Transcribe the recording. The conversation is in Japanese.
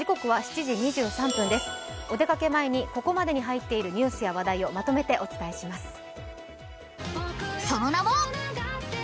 お出かけ前にここまでに入っているニュースや話題をまとめてお伝えします。